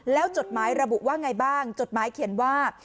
แล้วจดหมายระบุว่าไงบ้างจดหมายเขียนว่า